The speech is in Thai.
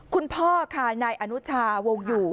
คุณพ่อค่ะนายอนุชาวงอยู่